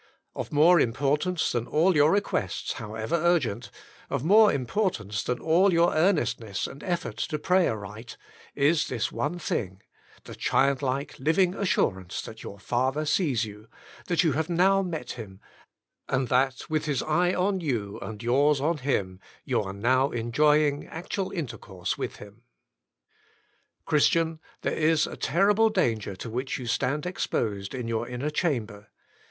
Of more importance than all your requests, however urgent, of more im portance than all your earnestness and effort to pray aright, is this one thing — ^the childlike, living assurance that your Father sees you, that you have now met Him, and that with His eye on you and yours on Him, you are now enjoying actual intercourse with Him. Christian! there is a terrible danger to which you stand exposed in your inner chamber.